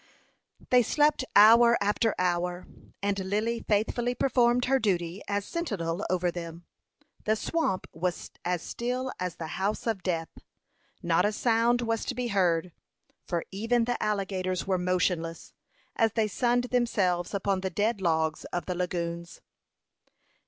They slept hour after hour, and Lily faithfully performed her duty as sentinel over them. The swamp was as still as the house of death; not a sound was to be heard, for even the alligators were motionless, as they sunned themselves upon the dead logs of the lagoons.